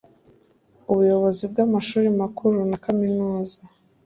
Ubuyobozi bw Amashuri Makuru na kaminuza